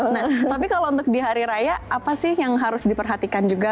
nah tapi kalau untuk di hari raya apa sih yang harus diperhatikan juga